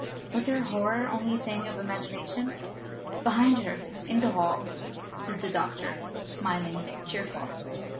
Was her horror only a thing of imagination? Behind her, in the hall, stood the doctor, smiling, cheerful.